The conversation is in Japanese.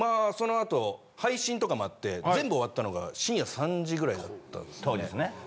そのあと配信とかもあって全部終わったのが深夜３時ぐらいだったんですね。